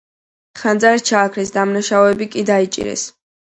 ხანძარი ჩააქრეს, დამნაშავეები კი დაიჭირეს.